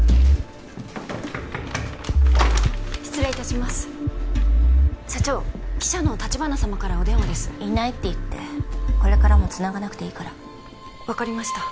失礼いたします社長記者の橘様からお電話ですいないって言ってこれからもつながなくていいから分かりました